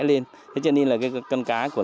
lên thế cho nên là cái con cá của